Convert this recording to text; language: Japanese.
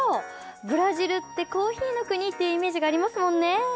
ブラジルってコーヒーの国ってイメージがありますもんね。